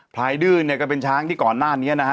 ลายดื้อเนี่ยก็เป็นช้างที่ก่อนหน้านี้นะฮะ